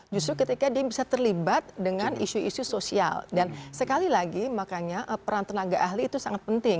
justru ketika dia bisa terlibat dengan isu isu sosial dan sekali lagi makanya peran tenaga ahli itu sangat penting